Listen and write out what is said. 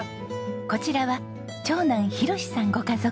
こちらは長男宗士さんご家族。